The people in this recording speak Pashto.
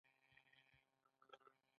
هغه زما مينه ده.